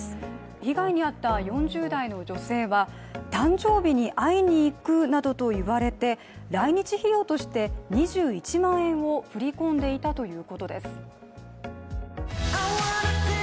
被害に遭った４０代の女性は、誕生日に会いに行くなどと言われて来日費用として２１万円を振り込んでいたということです。